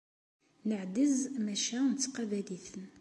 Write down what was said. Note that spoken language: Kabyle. Neɛdez maca nettqabal-iten.